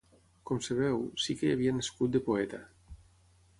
Com es veu, si que hi havia nascut de poeta